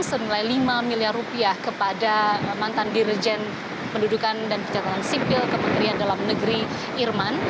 semilai rp lima miliar kepada mantan dirjen pendudukan dan kecantaran sipil kementerian dalam negeri irman